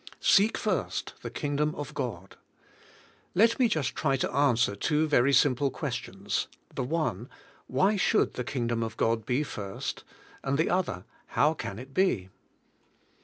"Seek first the Kingdom of God." Let me just try to answer two very simple questions; the one: "Why should the Kingdom of God be first?" and the other: "How can it be?"